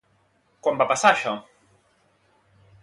Quan va passar, això?